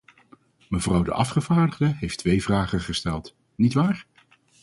Mevrouw de afgevaardigde heeft twee vragen gesteld, nietwaar?